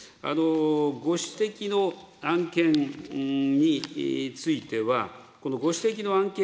ご指摘の案件については、このご指摘の案件